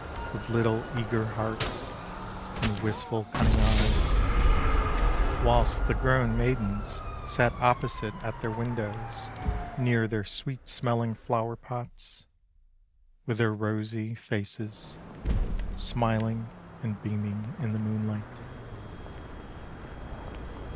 With little eager hearts, And wistful cunning eyes, Whilst the grown maidens Sat opposite at their windows Near their sweet smelling flower pots, With their rosy faces, Smiling and beaming in the moonlight.